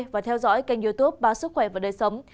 và theo dõi kênh youtube báo sức khỏe và đời sống